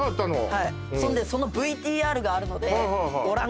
はいそんでそのＶＴＲがあるのでご覧